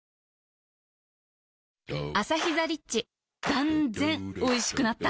断然おいしくなった